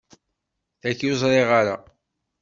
Ssegmiɣ yan waydi.